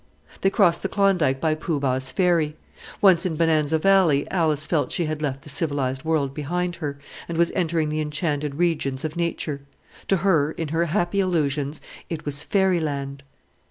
They crossed the Klondike by Poo Bah's ferry. Once in Bonanza Valley Alice felt she had left the civilized world behind her, and was entering the enchanted regions of Nature. To her, in her happy illusions, it was fairy land.